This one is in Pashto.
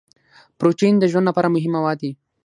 پروټین د ژوند لپاره مهم مواد دي